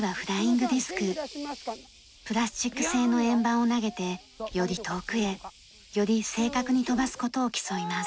プラスチック製の円盤を投げてより遠くへより正確に飛ばす事を競います。